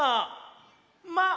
「ま」！